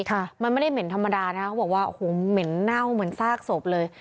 ค่ะมันไม่ได้เหม็นธรรมดานะคะเขาบอกว่าโอ้โหเหม็นเน่าเหมือนซากศพเลย